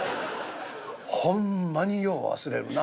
「ほんまによう忘れるな。